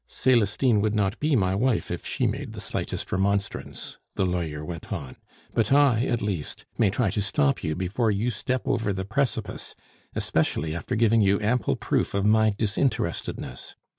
"Celestine would not be my wife if she made the slightest remonstrance," the lawyer went on. "But I, at least, may try to stop you before you step over the precipice, especially after giving you ample proof of my disinterestedness.